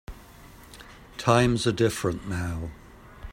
Times are different now.